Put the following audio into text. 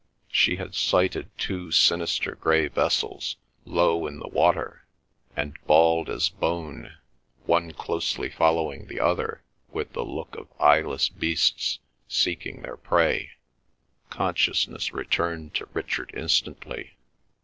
She had sighted two sinister grey vessels, low in the water, and bald as bone, one closely following the other with the look of eyeless beasts seeking their prey. Consciousness returned to Richard instantly.